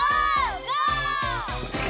ゴー！